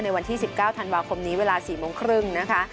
วันที่๑๙ธันวาคมนี้เวลา๔โมงครึ่งนะคะ